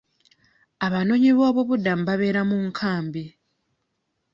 Abanoonyi b'obubuddamu babeera mu nkambi.